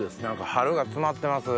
春が詰まってます